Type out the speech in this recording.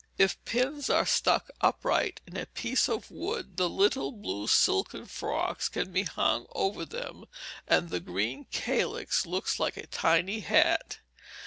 If pins are stuck upright in a piece of wood, the little blue silken frocks can be hung over them, and the green calyx looks like a tiny hat.